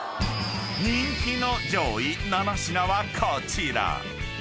［人気の上位７品はこちら］